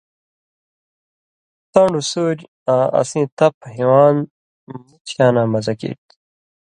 تن٘ڈوۡ سُوریۡ آں اسیں تپ ہِوان٘د مُت شاناں مزہ کیریۡ تُھو